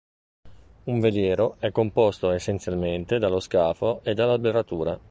Un veliero è composto essenzialmente dallo scafo e dall'alberatura.